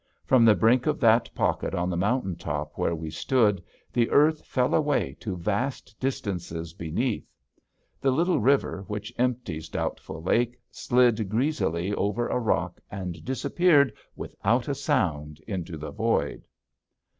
From the brink of that pocket on the mountain top where we stood the earth fell away to vast distances beneath. The little river which empties Doubtful Lake slid greasily over a rock and disappeared without a sound into the void.